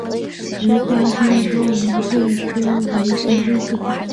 其发生多源自周围神经系统。